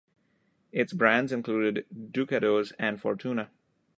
Its brands included Ducados and Fortuna.